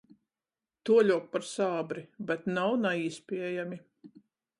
Tuoļuok par sābri, bet nav naīspiejami.